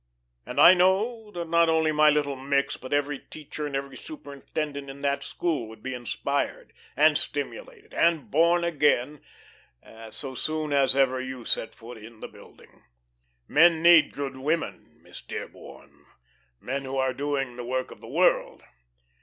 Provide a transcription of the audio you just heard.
And I know that not only my little micks, but every teacher and every superintendent in that school would be inspired, and stimulated, and born again so soon as ever you set foot in the building. Men need good women, Miss Dearborn. Men who are doing the work of the world.